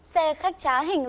xe khách trá hình